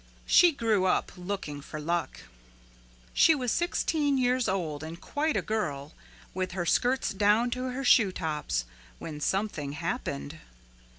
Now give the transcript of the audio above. She grew up looking for luck. She was sixteen years old and quite a girl, with her skirts down to her shoe tops, when something happened.